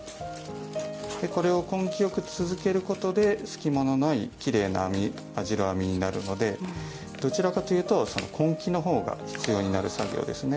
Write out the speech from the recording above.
これを根気よく続けることで隙間のないきれいな網代編みになるのでどちらかというと根気の方が必要になる作業ですね。